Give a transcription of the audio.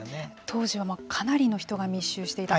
当時はかなりの人が密集していた。